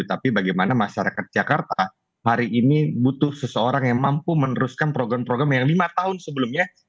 tapi bagaimana masyarakat jakarta hari ini butuh seseorang yang mampu meneruskan program program yang lima tahun sebelumnya